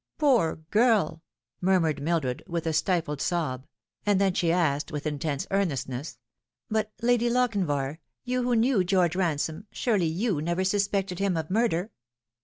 poor girl I" murmured Mildred, with a stifled sob ; and then she asked with intense earnestness, " but, Lady Lochinvar, you who knew George Ransome, surely you never suspected him of murder